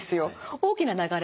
大きな流れ